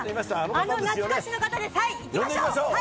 あの懐かしの方です、はい、呼んでみましょう。